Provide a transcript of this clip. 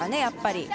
やっぱり。